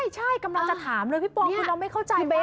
ใช่กำลังจะถามเลยพี่ปองคือเราไม่เข้าใจเบส